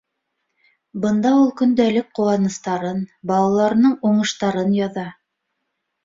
Бында ул көндәлек ҡыуаныстарын, балаларының уңыштарын яҙа.